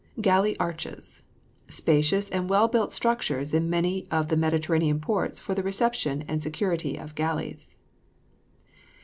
GALLEY ARCHES. Spacious and well built structures in many of the Mediterranean ports for the reception and security of galleys.